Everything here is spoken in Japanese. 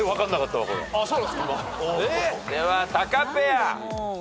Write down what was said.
ではタカペア。